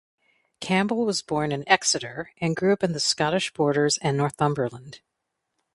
Campbell was born in Exeter and grew up in the Scottish Borders and Northumberland.